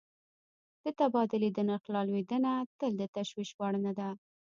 د تبادلې د نرخ رالوېدنه تل د تشویش وړ نه ده.